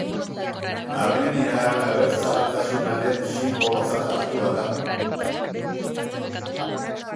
Armeniar abertzaletasunaren sinbolotzat hartua da.